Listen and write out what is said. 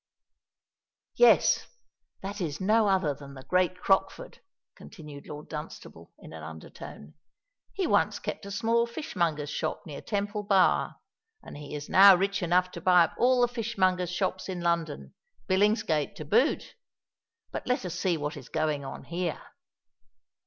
"Yes—that is no other than the great Crockford," continued Lord Dunstable, in an under tone. "He once kept a small fishmonger's shop near Temple Bar; and he is now rich enough to buy up all the fishmongers' shops in London, Billingsgate to boot. But let us see what is going on here."